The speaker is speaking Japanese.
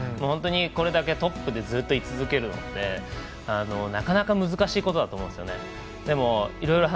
本当にこれだけトップでずっと、い続けるのってなかなか難しいことだと思うんですね。